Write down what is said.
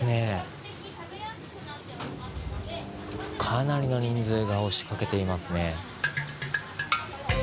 かなりの人数が押しかけていますね。